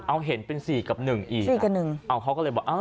เอาเห็นเป็นสี่กับหนึ่งอีกสี่กับหนึ่งเอาเขาก็เลยบอกอ้าว